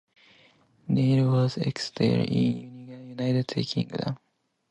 Nand was educated in the United Kingdom.